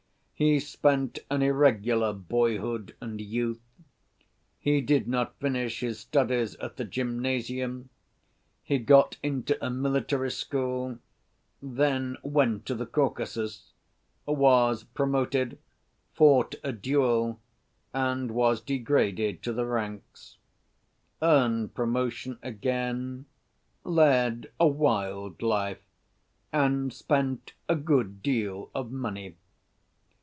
He spent an irregular boyhood and youth. He did not finish his studies at the gymnasium, he got into a military school, then went to the Caucasus, was promoted, fought a duel, and was degraded to the ranks, earned promotion again, led a wild life, and spent a good deal of money.